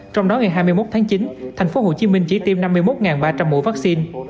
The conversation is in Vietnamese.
trong đó ngày hai mươi một tháng chín thành phố hồ chí minh chỉ tiêm năm mươi một ba trăm linh mũ vaccine